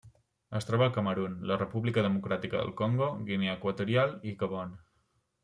Es troba al Camerun, la República Democràtica del Congo, Guinea Equatorial i Gabon.